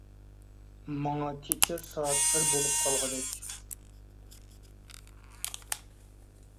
ماڭا كېچە سائەت بىر بولۇپ قالغۇدەك.